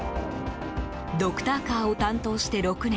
ドクターカーを担当して６年。